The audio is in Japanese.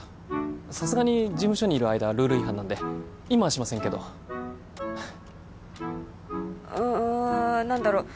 さすがに事務所にいる間はルール違反なんで今はしませんけどうん何だろう